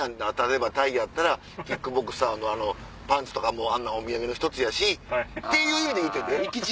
例えばタイやったらキックボクサーのパンツとかもあんなんお土産の１つやし。っていう意味で言うてんで。